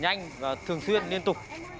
nhanh và thường xuyên liên tục